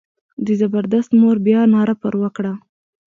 د زبردست مور بیا ناره پر وکړه.